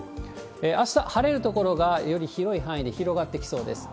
あした晴れる所が、より広い範囲に広がってきそうです。